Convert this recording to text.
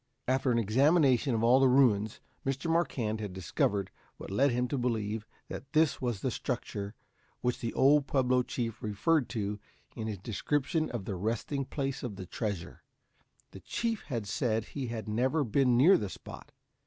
After an examination of all the ruins Mr. Marquand had discovered what led him to believe that this was the structure which the old Pueblo chief referred to in his description of the resting place of the treasure. The chief had said he had never been near the spot.